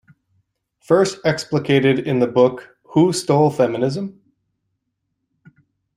First explicated in the book Who Stole Feminism?